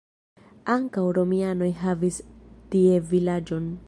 Ankaŭ romianoj havis tie vilaĝon.